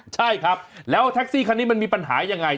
ใช่ครับแล้วแท็กซี่คันนี้มันมีปัญหายังไง